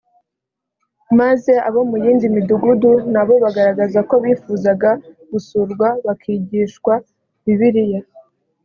maze abo mu yindi midugudu na bo bagaragaza ko bifuzaga gusurwa bakigishwa bibiliya